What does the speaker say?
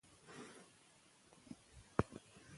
موږ باید د هغه د فکر ډیوې بلې وساتو.